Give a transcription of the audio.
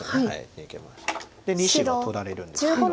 ２子は取られるんですけど。